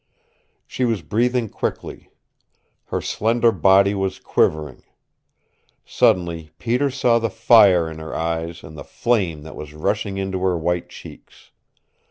She was breathing quickly. Her slender body was quivering. Suddenly Peter saw the fire in her eyes and the flame that was rushing into her white cheeks.